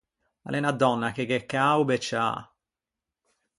A l’é unna dònna che gh’é cao becciâ.